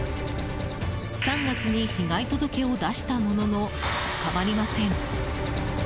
３月に被害届を出したものの捕まりません。